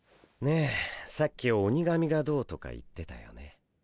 ねえさっき鬼神がどうとか言ってたよね。